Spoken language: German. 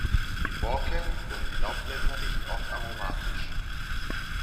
Die Borke und die Laubblätter riechen oft aromatisch.